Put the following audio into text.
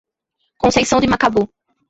Conceição de Macabu